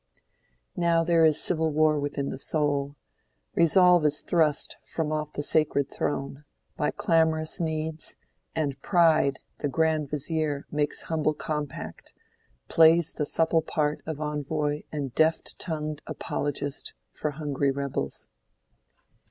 Now is there civil war within the soul: Resolve is thrust from off the sacred throne By clamorous Needs, and Pride the grand vizier Makes humble compact, plays the supple part Of envoy and deft tongued apologist For hungry rebels.